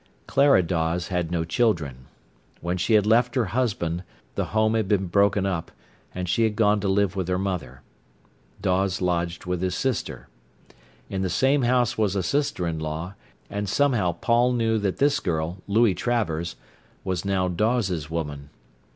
Clara Dawes had no children. When she had left her husband the home had been broken up, and she had gone to live with her mother. Dawes lodged with his sister. In the same house was a sister in law, and somehow Paul knew that this girl, Louie Travers, was now Dawes's woman.